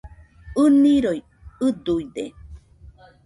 ɨniroi ɨduide